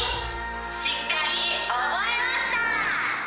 しっかり覚えました！